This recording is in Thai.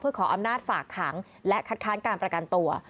ขออำนาจฝากขังและคัดค้านการประกันตัว